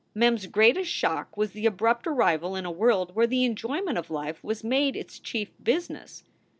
Mem s greatest shock was the abrupt arrival in a world where the enjoyment of life was made its chief business.